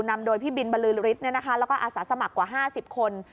นำโดยพี่บินบรือฤทธิ์แล้วก็อาสาสมัครกว่า๕๐คน